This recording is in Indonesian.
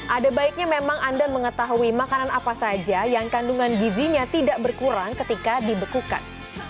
ada baiknya memang anda mengetahui makanan apa saja yang kandungan gizinya tidak berkurang ketika dibekukan